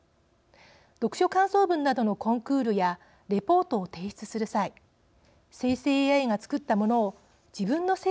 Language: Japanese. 読書感想文などのコンクールやレポートを提出する際生成ＡＩが作ったものを自分の成果として提出する。